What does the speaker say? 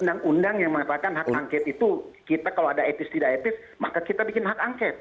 undang undang yang mengatakan hak angket itu kita kalau ada etis tidak etis maka kita bikin hak angket